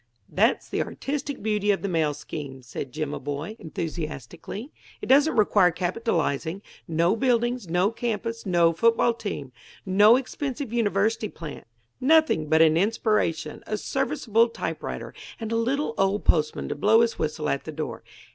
"That's the artistic beauty of the mail scheme," said Jimaboy, enthusiastically. "It doesn't require capitalizing; no buildings, no campus, no football team, no expensive university plant; nothing but an inspiration, a serviceable typewriter, and a little old postman to blow his whistle at the door."